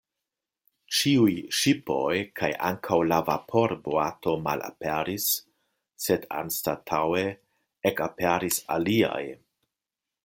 Ĉiuj ŝipoj kaj ankaŭ la vaporboato malaperis, sed anstataŭe ekaperis aliaj.